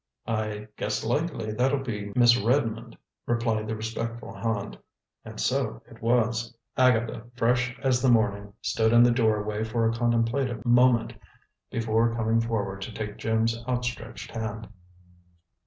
"I guess likely that'll be Miss Redmond," replied the respectful Hand. And so it was. Agatha, fresh as the morning, stood in the doorway for a contemplative moment, before coming forward to take Jim's outstretched hand.